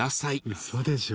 ウソでしょ？